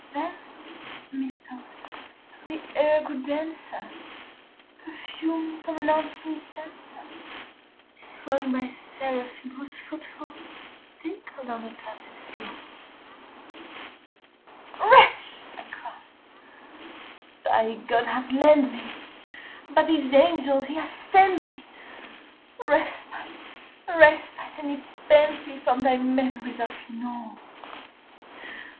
Then, methought, the air grew denser, perfumed from an unseen censer Swung by seraphim whose foot falls tinkled on the tufted floor. 80 "Wretch," I cried, "thy God hath lent thee by these angels he hath sent thee Respite respite and nepenthe from thy memories of Lenore!